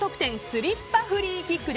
スリッパフリーキック！！